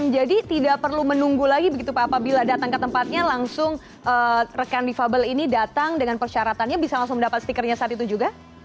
jadi tidak perlu menunggu lagi begitu pak apabila datang ke tempatnya langsung rekan di pabel ini datang dengan persyaratannya bisa langsung mendapat stikernya saat itu juga